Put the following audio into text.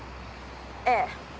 ええ。